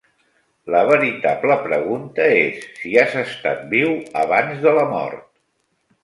La veritable pregunta és si has estat viu abans de la mort.